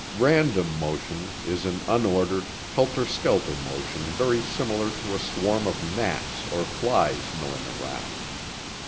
Random motion is an unordered, helter skelter motion very similar to a swarm of gnats or flies milling around.